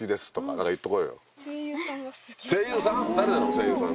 声優さん？